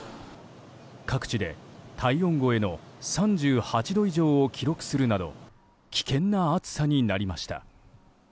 各地で体温超えの３８度以上を記録するなど危険な暑さになりました。